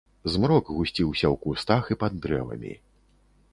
Змрок гусціўся ў кустах і пад дрэвамі.